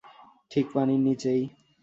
ঠিক পানির নিচেই।